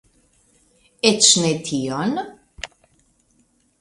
Eĉ ne tion?